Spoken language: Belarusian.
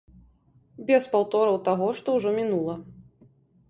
Без паўтораў таго, што ўжо мінула.